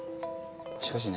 しかしね